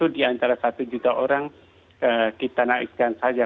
di antara satu juta orang kita naikkan saja